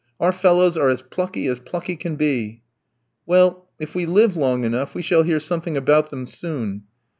Our fellows are as plucky as plucky can be." "Well, if we live long enough, we shall hear something about them soon."